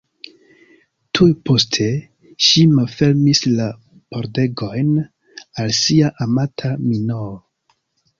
Tuj poste, ŝi malfermis la pordegojn al sia amata Minoo.